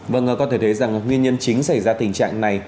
vâng có thể thấy rằng nguyên nhân chính xảy ra tình trạng này